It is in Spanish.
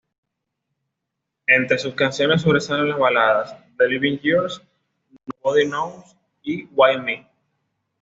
Entre sus canciones sobresalen las baladas "The Living Years", "Nobody Knows" y "Why Me?".